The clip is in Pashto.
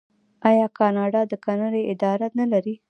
آیا کاناډا د کرنې اداره نلري؟